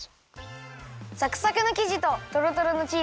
サクサクのきじととろとろのチーズがいいね！